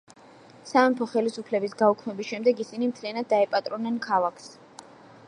სამეფო ხელისუფლების გაუქმების შემდეგ ისინი მთლიანად დაეპატრონნენ ქალაქს.